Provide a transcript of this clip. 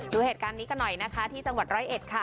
ดูเหตุการณ์นี้กันหน่อยนะคะที่จังหวัดร้อยเอ็ดค่ะ